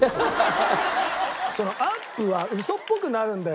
そのアップはウソっぽくなるんだよ